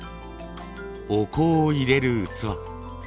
お香を入れる器。